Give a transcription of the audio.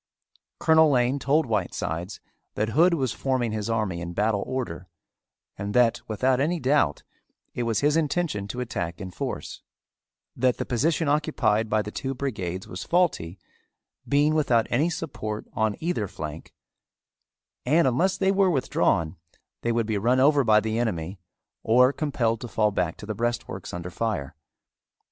Colonel Lane told Whitesides that Hood was forming his army in battle order and that without any doubt it was his intention to attack in force; that the position occupied by the two brigades was faulty, being without any support on either flank, and unless they were withdrawn they would be run over by the enemy or compelled to fall back to the breastworks under fire.